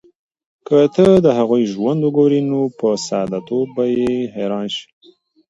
که ته د هغوی ژوند وګورې، نو په ساده توب به یې حیران شې.